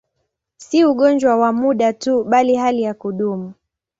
Si ugonjwa wa muda tu, bali hali ya kudumu.